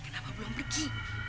kenapa belum pergi